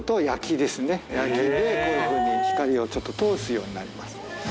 焼きでこういうふうに光をちょっと通すようになります。